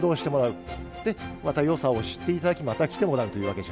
でまたよさを知って頂きまた来てもらうというわけじゃ。